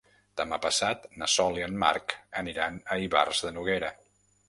Demà passat na Sol i en Marc aniran a Ivars de Noguera.